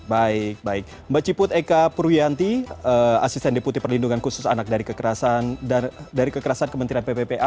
baik baik mbak ciput eka purwiyanti asisten deputi perlindungan khusus anak dari kekerasan kementerian pppa